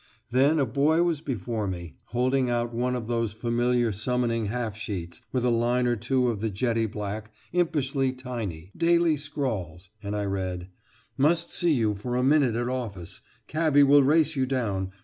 Then a boy was before me, holding out one of those familiar summoning half sheets, with a line or two of the jetty black, impishly tiny, Daly scrawls and I read: "Must see you one minute at office. Cabby will race you down.